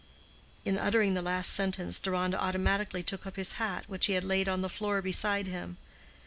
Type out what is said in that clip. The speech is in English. In uttering the last sentence Deronda automatically took up his hat which he had laid on the floor beside him.